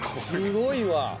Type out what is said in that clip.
すごいわ。